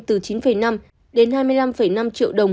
từ chín năm đến hai mươi năm năm triệu đồng